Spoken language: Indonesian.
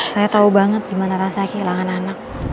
saya tahu banget gimana rasa kehilangan anak